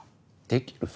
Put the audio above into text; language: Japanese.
できる？